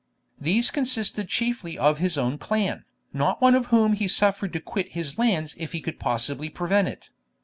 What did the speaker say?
These consisted chiefly of his own clan, not one of whom he suffered to quit his lands if he could possibly prevent it.